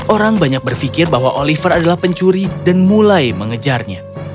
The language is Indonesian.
orang banyak berpikir bahwa oliver adalah pencuri dan mulai mengejarnya